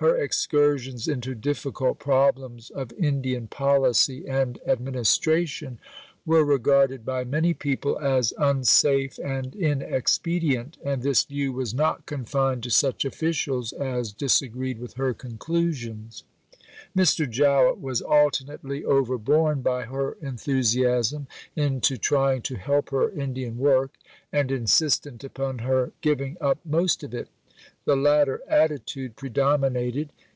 Her excursions into difficult problems of Indian policy and administration were regarded by many people as unsafe and inexpedient, and this view was not confined to such officials as disagreed with her conclusions. Mr. Jowett was alternately overborne by her enthusiasm into trying to help her Indian work, and insistent upon her giving up most of it. The latter attitude predominated.